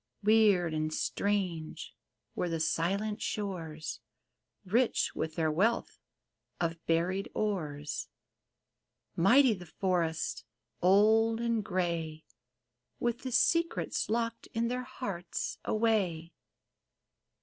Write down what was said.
Weird and strange were the silent shores, Rich with their wealth of buried ores ; Mighty the forests, old and gray, With the secrets locked in their hearts away.